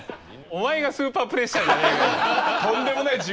お前がスーパープレッシャーじゃねえか。